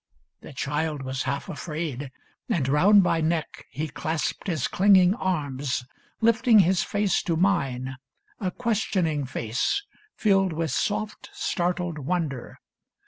The child was half afraid ; And round my neck he clasped his clinging arms, Lifting his face to mine, a questioning face. Filled with soft, startled wonder.